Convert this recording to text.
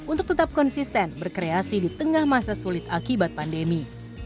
untuk tetap konsisten berkreasi di tengah masa sulit akibat pandemi